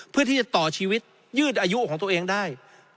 เพื่อที่จะต่อชีวิตยืดอายุของตัวเองได้